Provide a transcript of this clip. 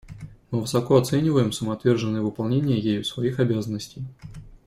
Мы высоко оцениваем самоотверженное выполнение ею своих обязанностей.